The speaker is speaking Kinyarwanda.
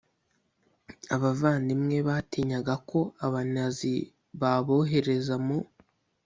Abavandimwe batinyaga ko Abanazi babohereza mu